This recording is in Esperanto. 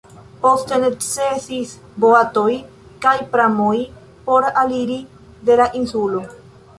Poste necesis boatoj kaj pramoj por eliri de la insulo.